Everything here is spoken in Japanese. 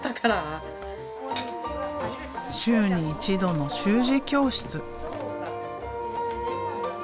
週に一度の習字教室。